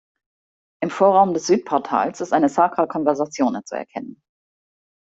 Im Vorraum des Südportals ist eine Sacra Conversazione zu erkennen.